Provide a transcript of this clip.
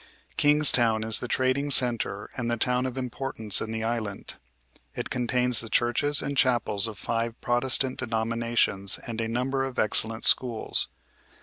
Kingstown is the trading centre and the town of importance in the island. It contains the churches and chapels of five Protestant denominations and a number of excellent schools.